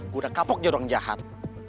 gue udah kapok jodoh yang jahat